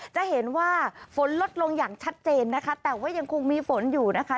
จะเห็นว่าฝนลดลงอย่างชัดเจนนะคะแต่ว่ายังคงมีฝนอยู่นะคะ